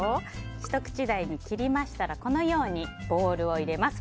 ひと口大に切りましたらこのようにボウルに入れます。